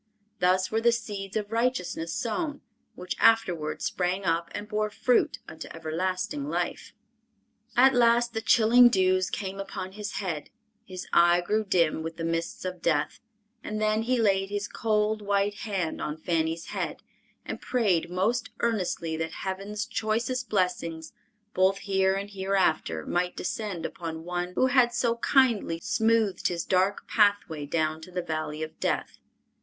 Thus were the seeds of righteousness sown, which afterward sprang up and bore fruit unto everlasting life. At last the chilling dews came upon his head, his eye grew dim with the mists of death, and then he laid his cold, white hand on Fanny's head and prayed most earnestly that heaven's choicest blessings, both here and hereafter, might descend upon one who had so kindly smoothed his dark pathway down to the valley of death.